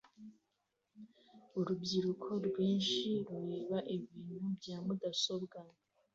Urubyiruko rwinshi rureba ibintu bya mudasobwa